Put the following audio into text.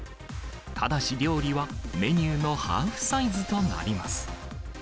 ただし料理は、メニューのハーフサイズとなります。